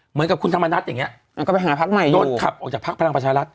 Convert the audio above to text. เหมือนกับคุณธรรมนัทอย่างนี้โดนขับออกจากพักพลังประชารัฐ